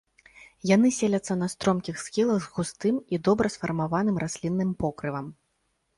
Яны селяцца на стромкіх схілах з густым і добра сфармаваным раслінным покрывам.